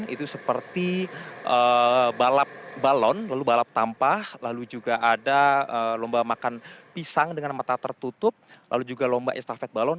itu seperti balap balon lalu balap tampah lalu juga ada lomba makan pisang dengan mata tertutup lalu juga lomba estafet balon